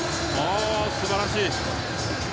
すばらしい！